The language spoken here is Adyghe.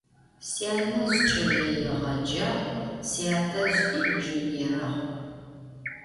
Syanezj ç'eleêğecağ, syatezj yinjjênêrığ.